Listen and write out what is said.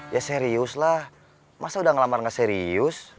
ya seriuslah masa udah ngelamar nggak serius